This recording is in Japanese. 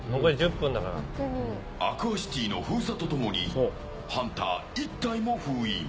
アクアシティの封鎖と共にハンター１体も封印。